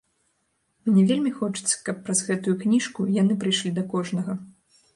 Мне вельмі хочацца, каб праз гэтую кніжку яны прыйшлі да кожнага.